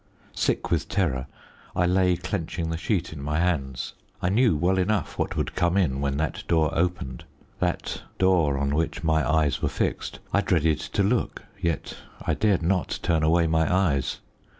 Sick with terror, I lay clenching the sheet in my hands. I knew well enough what would come in when that door opened that door on which my eyes were fixed. I dreaded to look, yet I dared not turn away my eyes.